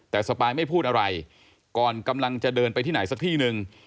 แต่สปายไม่พูดอะไรก่อนกำลังจะเดินไปที่ไหนสักที่หนึ่ง